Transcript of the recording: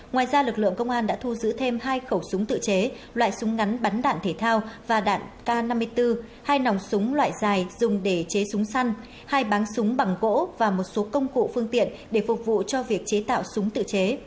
ngoài ra lực lượng công an đã thu giữ thêm hai khẩu súng tự chế loại súng ngắn bắn đạn thể thao và đạn k năm mươi bốn hai nòng súng loại dài dùng để chế súng săn hai bán súng bằng gỗ và một số công cụ phương tiện để phục vụ cho việc chế tạo súng tự chế